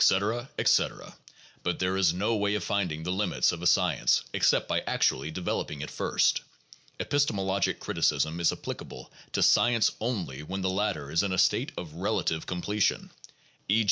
etc. But there is no way of finding the limits of a science except by actually developing it first. Bpistemologic criticism is applicable to science only when the latter is in a state of relative com pletion, e.